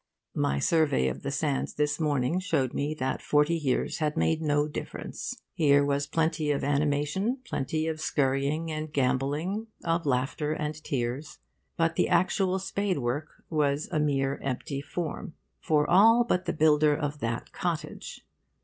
My survey of the sands this morning showed me that forty years had made no difference. Here was plenty of animation, plenty of scurrying and gambolling, of laughter and tears. But the actual spadework was a mere empty form. For all but the builder of that cottage.